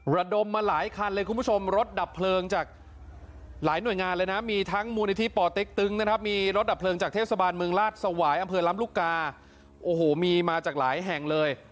ระดมมาหลายคันเลยคุณผู้ชมรถดับเพลิงจากหลายหน่วยงานเลยนะมีทั้งมูลนิธิป่อเต็กตึงนะครับมีรถดับเพลิงจากเทศบาลเมืองราชสวายอำเภอลำลูกกาโอ้โหมีมาจากหลายแห่งเลย